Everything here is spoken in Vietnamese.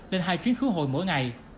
lên hai chuyến khứa hồi mỗi ngày